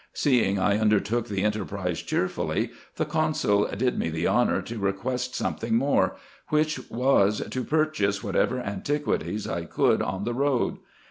Seeing I undertook the enterprise cheerfully, the consul did me the honour to request something more, which was, to purchase whatever antiquities I could on the road.